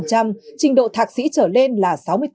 trình độ thạc sĩ trở lên là sáu mươi tám